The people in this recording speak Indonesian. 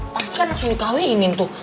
pasti kan langsung dikawinin tuh